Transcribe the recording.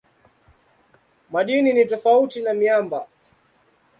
Madini ni tofauti na miamba.